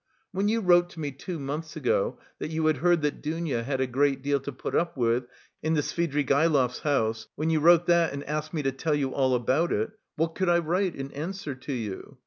When you wrote to me two months ago that you had heard that Dounia had a great deal to put up with in the Svidrigaïlovs' house, when you wrote that and asked me to tell you all about it what could I write in answer to you?